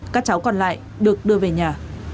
các cháu còn lại được đưa về nhà